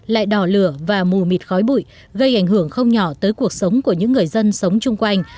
lại đỏ lửa và mù mịt khói bụi gây ảnh hưởng không nhỏ tới cuộc sống của những người dân sống chung quanh